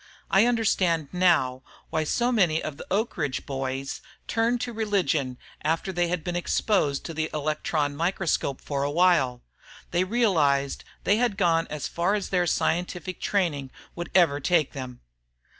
I understand now why so many of the Oak Ridge boys turned to religion after they had been exposed to the electron microscope for a while they realized they had gone as far as their "scientific" training would ever take them.